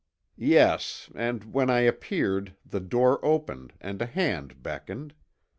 "Yes, and when I appeared the door opened and a hand beckoned.